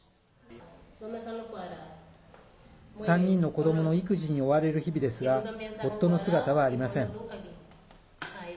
３人の子どもの育児に追われる日々ですが夫の姿はありません。